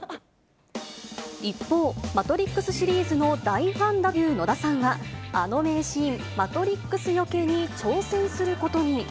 一方、マトリックスシリーズの大ファンだという野田さんは、あの名シーン、マトリックスよけに挑戦することに。